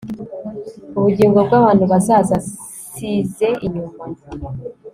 Ubugingo bwabantu bazaza Nsize inyuma